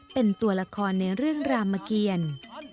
เป็นตัวละครในเรื่องรามเกียร